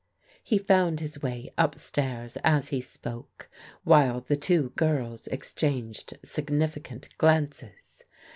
He found his way up stairs as he spoke, while the two girls exchanged significant glances.